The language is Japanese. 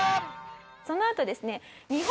そのあとですね日本